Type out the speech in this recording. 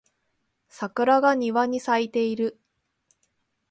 桜が庭に咲いている